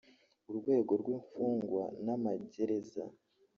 urwego rw’imfungwa n’amagereza